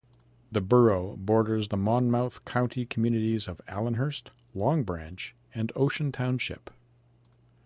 The borough borders the Monmouth County communities of Allenhurst, Long Branch and Ocean Township.